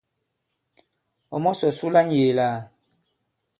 Ɔ̀ mɔ̀sɔ̀ su la ŋ̀yēē lā ?